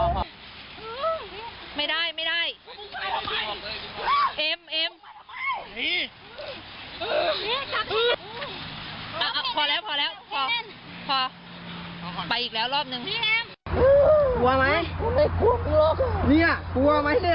ผมไม่กลัว